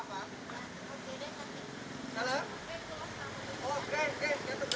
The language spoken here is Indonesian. tidak tapi ada yang nampak